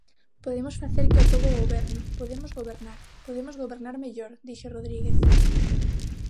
Podemos facer que o pobo goberno, podemos gobernar, podemos gobernar mellor, dixo Rodríguez.